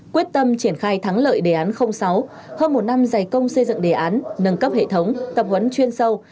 quyết tâm triển khai thắng lợi đề án sáu hơn một năm giải công xây dựng đề án nâng cấp hệ thống tập huấn chuyên sâu